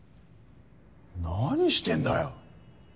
何してんだよ？